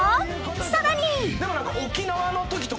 ［さらに］